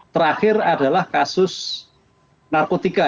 terakhir adalah kasus narkotika